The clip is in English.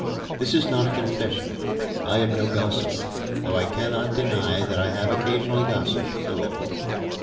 This is not a confession. I am no gossipper, though I cannot deny that I have occasionally gossipped a little.